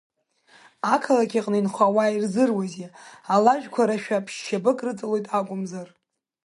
Ақалақь аҟны инхо ауаа ирзыруазеи алажәқәа, рашәа ԥшьшьапак рыҵалоит акәымзар.